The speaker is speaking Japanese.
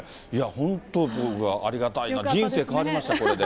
本当僕、ありがたいな、人生変わりました、これで。